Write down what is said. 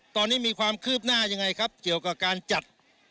ตอนนี้มีความคืบหน้ายังไงครับเกี่ยวกับการจัด